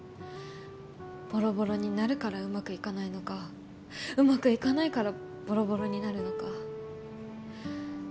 ボロボロになるからうまくいかないのかうまくいかないからボロボロになるのか。